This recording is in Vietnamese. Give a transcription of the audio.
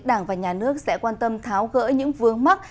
đảng và nhà nước sẽ quan tâm tháo gỡ những vướng mắt